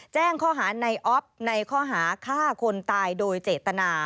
แจ้งข้อหาในออฟในข้อหาฆ่าคนตายโดยเจตนา